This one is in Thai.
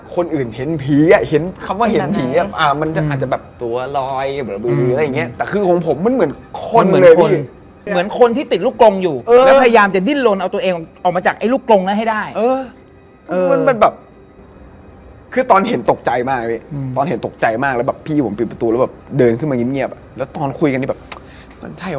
คือไอ้วิ่งเองมันไม่เท่าไหร่ถอยเองก็ได้